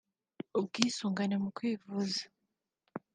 ubwisungane mu kwivuza